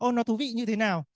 nó thú vị như thế nào